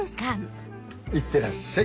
いってらっしゃい。